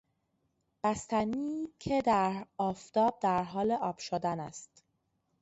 بستنی که در آفتاب در حال آب شدن است